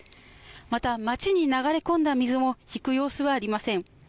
また、街に流れ込んだ水も引く様子はありません。